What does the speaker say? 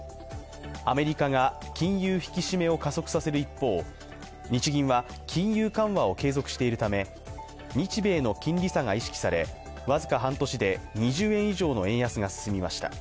アメリカが金融引き締めを加速させる一方日銀は金融緩和を継続しているため、日米の金利差が意識され、僅か半年で２０円以上の円安が進みました。